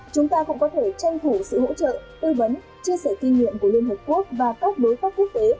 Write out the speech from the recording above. chúng ta cũng có thể tranh thủ sự hỗ trợ tư vấn chia sẻ kinh nghiệm của liên hợp quốc và các đối tác quốc tế